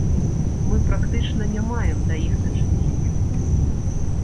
Мы практычна не маем да іх дачынення.